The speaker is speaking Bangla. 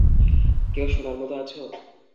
কেউ শোনার মতো আছো?